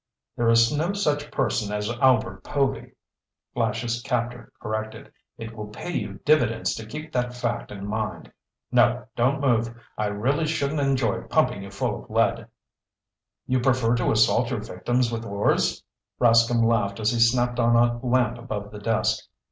"There is no such person as Albert Povy," Flash's captor corrected. "It will pay you dividends to keep that fact in mind. No! Don't move! I really shouldn't enjoy pumping you full of lead." "You prefer to assault your victims with oars?" Rascomb laughed as he snapped on a lamp above the desk.